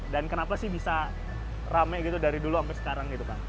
dan kenapa sih bisa rame gitu dari dulu sampai sekarang gitu kang